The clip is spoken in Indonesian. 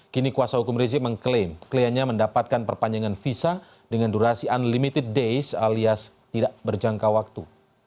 kini kuasa hukum rizik mengklaim kliennya mendapatkan perpanjangan visa dengan durasi unlimited days alias tidak berjangka waktu